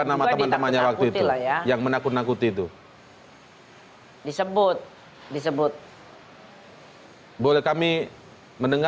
nama teman temannya waktu itu yang menakut nakuti itu hai disebut disebut